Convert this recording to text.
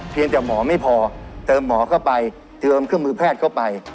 แต่หมอไม่พอเติมหมอเข้าไปเติมเครื่องมือแพทย์เข้าไป